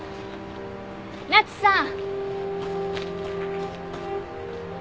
奈津さん！